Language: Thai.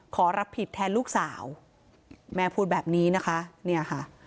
ขอรับผิดแทนลูกสาวแม่พูดแบบนี้นะคะ